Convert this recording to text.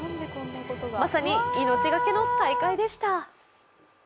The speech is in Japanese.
まさに命懸けの大会でした。